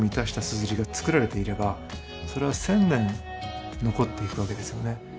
すずりがつくられていればそれは１０００年残っていくわけですよね